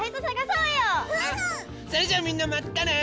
それじゃあみんなまたね！